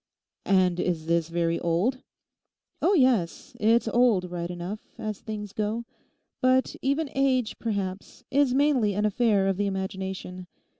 'And is this very old?' 'Oh yes, it's old right enough, as things go; but even age, perhaps, is mainly an affair of the imagination.